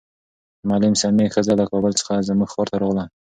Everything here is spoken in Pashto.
د معلم سمیع ښځه له کابل څخه زموږ ښار ته راغله.